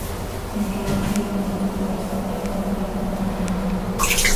El riachuelo de los Trois atraviesa parte de la finca.